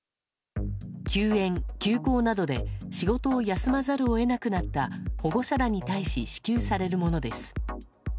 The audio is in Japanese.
休園・休校などで、仕事を休まざるをえなくなった保護者らに対し支給されるものです。